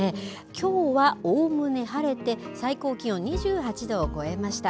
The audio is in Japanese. きょうはおおむね晴れて、最高気温２８度を超えました。